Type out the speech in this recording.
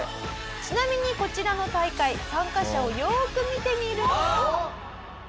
「ちなみにこちらの大会参加者をよーく見てみると」